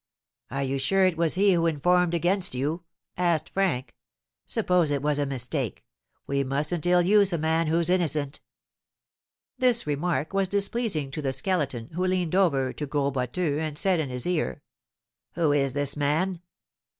"Are you sure it was he who informed against you?" asked Frank; "suppose it was a mistake, we mustn't ill use a man who's innocent." This remark was displeasing to the Skeleton, who leaned over to the Gros Boiteux, and said in his ear: "Who is this man?"